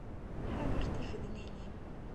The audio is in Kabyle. Ḥader tifednin-im.